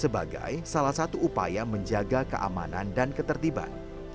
sebagai salah satu upaya menjaga keamanan dan ketertiban